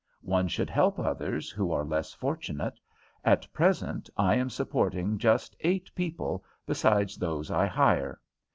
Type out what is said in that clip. One should help others who are less fortunate; at present I am supporting just eight people, besides those I hire.